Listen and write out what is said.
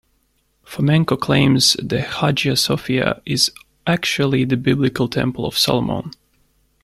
Fomenko claims the Hagia Sophia is actually the biblical Temple of Solomon.